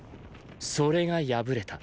⁉それが敗れた。